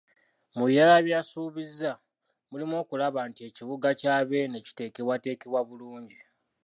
Mu birala bye yasuubizza mulimu; okulaba nti ekibuga kya Beene kiteekebwateekebwa bulungi.